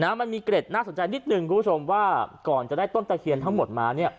มันมีเกร็ดน่าสนใจนิดนึงคุณผู้ชมว่าก่อนจะได้ต้นตะเคียนทั้งหมดมาเนี่ย